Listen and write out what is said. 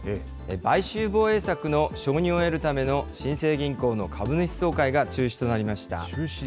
買収防衛策の承認を得るための新生銀行の株主総会が中止となりました。